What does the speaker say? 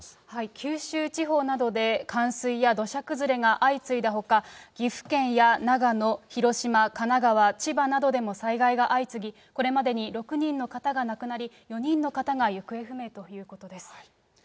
九州地方などで冠水や土砂崩れが相次いだほか、岐阜県や長野、広島、神奈川、千葉などでも災害が相次ぎ、これまでに６人の方が亡くなり、４人の方が行方不明ということです。